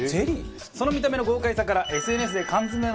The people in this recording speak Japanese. その見た目の豪快さからＳＮＳで缶詰